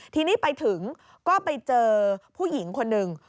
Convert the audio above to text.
ทีนี้ไปถึงก็ไปเจอผู้หญิงคนหนึ่ง